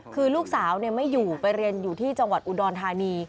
คือลูกสาวไม่อยู่ไปเรียนอยู่ที่จังหวัดอุดรธานี